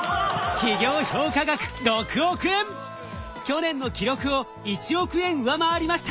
去年の記録を１億円上回りました！